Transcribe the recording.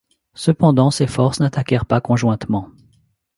Cependant, ces forces n'attaquèrent pas conjointement.